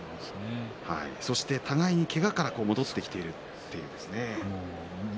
そして互いにけがから戻ってきているということですね。